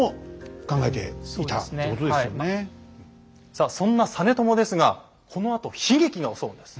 さあそんな実朝ですがこのあと悲劇が襲うんです。